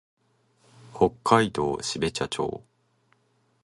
北海道標茶町